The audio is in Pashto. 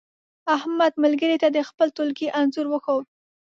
احمد ملګري ته د خپل ټولگي انځور وښود.